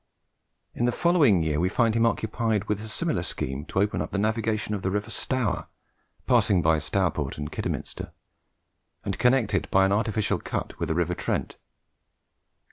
In the following year we find him occupied with a similar scheme to open up the navigation of the river Stour, passing by Stourport and Kidderminster, and connect it by an artificial cut with the river Trent.